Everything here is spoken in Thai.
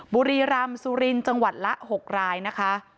บุรีรำสุรินทร์จังหวัดละ๖รายนะคะ